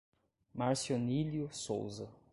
Marcionílio Souza